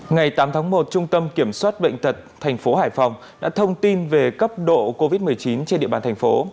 ngày tám tháng một trung tâm kiểm soát bệnh tật thành phố hải phòng đã thông tin về cấp độ covid một mươi chín trên địa bàn thành phố